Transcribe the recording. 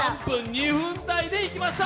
２分台でいきました。